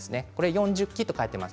４０期と書いています。